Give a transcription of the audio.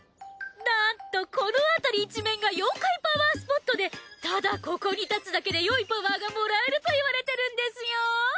なんとこの辺りいちめんが妖怪パワースポットでただここに立つだけでよいパワーがもらえると言われてるんですよ。